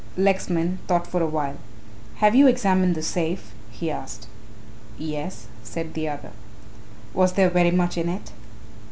Lexman thought for a while. "Have you examined the safe!" he asked. "Yes," said the other. "Was there very much in it?"